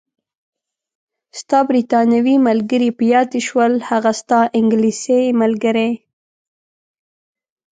ستا بریتانوي ملګرې، په یاد دې شول؟ هغه ستا انګلیسۍ ملګرې.